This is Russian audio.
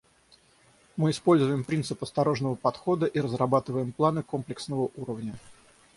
Мы используем принцип осторожного подхода и разрабатываем планы комплексного управления.